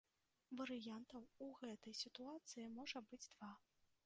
Варыянтаў у гэтай сітуацыі можа быць два.